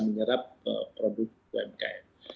menyerap produk umkm